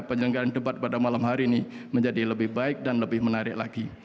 penyelenggaraan debat pada malam hari ini menjadi lebih baik dan lebih menarik lagi